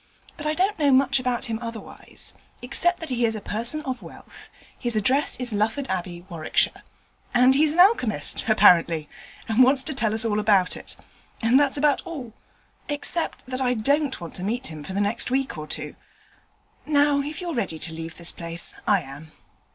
But I don't know much about him otherwise, except that he is a person of wealth, his address is Lufford Abbey, Warwickshire, and he's an alchemist, apparently, and wants to tell us all about it; and that's about all except that I don't want to meet him for the next week or two. Now, if you're ready to leave this place, I am.'